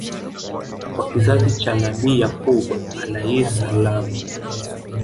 wa kizazi cha Nabii Yaquub Alayhis Salaam